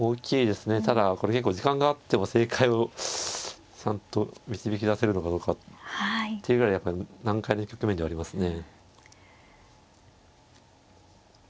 ただこれ結構時間があっても正解をちゃんと導き出せるのかどうかっていうぐらいやっぱり難解な局面ではありますね。